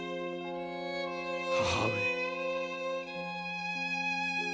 母上。